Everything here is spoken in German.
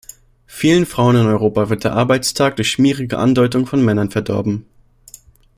Vielen Frauen in Europa wird der Arbeitstag durch schmierige Andeutungen von Männern verdorben.